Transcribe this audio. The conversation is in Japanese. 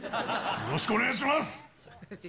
よろしくお願いします！